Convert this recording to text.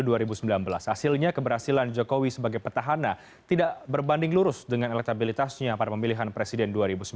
hasilnya keberhasilan jokowi sebagai petahana tidak berbanding lurus dengan elektabilitasnya pada pemilihan presiden dua ribu sembilan belas